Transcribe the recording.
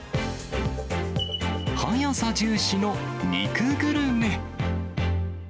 早さ重視の肉グルメ。